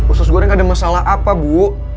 usus goreng gak ada masalah apa bu